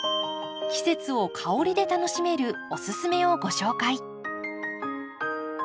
季節を香りで楽しめるおすすめをご紹介。